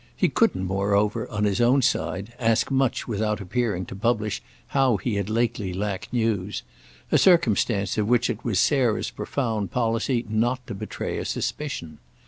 He couldn't moreover on his own side ask much without appearing to publish how he had lately lacked news; a circumstance of which it was Sarah's profound policy not to betray a suspicion.